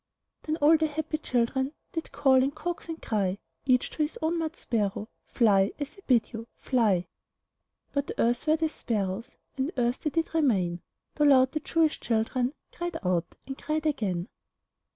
Then all the happy children Did call, and coax, and cry Each to his own mud sparrow: "Fly, as I bid you! Fly!" But earthen were the sparrows, And earth they did remain, Though loud the Jewish children Cried out, and cried again.